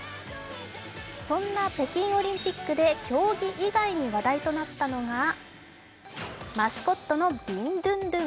そんな北京オリンピックで競技以外に話題となったのがマスコットのビンドゥンドゥン。